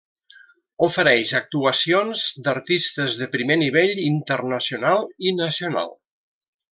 Ofereix actuacions d'artistes de primer nivell internacional i nacional.